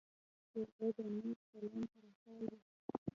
کوربه د نیک چلند طرفدار وي.